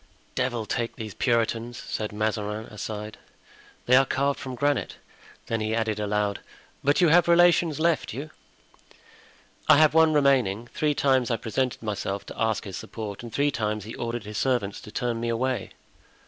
"Devil take these Puritans," said Mazarin aside; "they are carved from granite." Then he added aloud, "But you have relations left you?" "I have one remaining. Three times I presented myself to ask his support and three times he ordered his servants to turn me away."